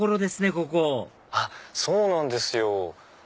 ここそうなんですよ。